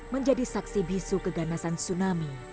menjadi saksi bisu keganasan tsunami